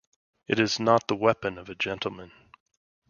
It is not the weapon of a gentleman.